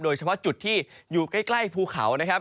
โดยเฉพาะจุดที่อยู่ใกล้ภูเขานะครับ